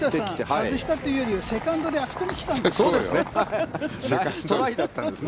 外したというよりセカンドであそこに来たんです。